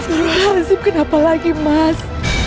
astagfirullahaladzim kenapa lagi mas